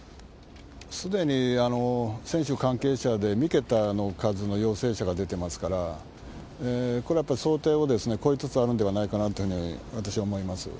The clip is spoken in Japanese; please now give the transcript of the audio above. すでに選手、関係者で３桁の数の陽性者が出てますから、これはやっぱり想定を超えつつあるんではないかなというふうに私は思います。